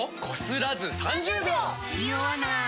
ニオわない！